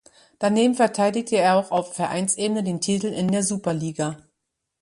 Daneben verteidigte er auch auf Vereinsebene den Titel in der Superliga.